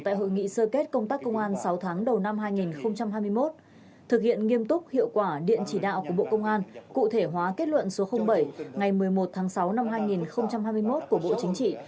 tại hội nghị sơ kết công tác công an sáu tháng đầu năm hai nghìn hai mươi một thực hiện nghiêm túc hiệu quả điện chỉ đạo của bộ công an cụ thể hóa kết luận số bảy ngày một mươi một tháng sáu năm hai nghìn hai mươi một của bộ chính trị